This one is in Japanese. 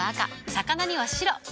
魚には白。